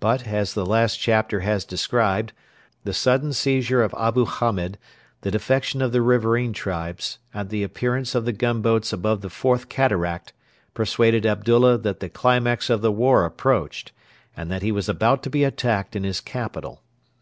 But, as the last chapter has described, the sudden seizure of Abu Hamed, the defection of the riverain tribes, and the appearance of the gunboats above the Fourth Cataract persuaded Abdullah that the climax of the war approached, and that he was about to be attacked in his capital.